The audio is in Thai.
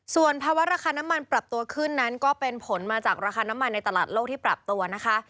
ส่วนภาวะราคาน้ำมันปรับตัวขึ้นนั้นก็เป็นผลมาจากราคาน้ำมันในตลาดโลกที่ปรับตัวนะคะ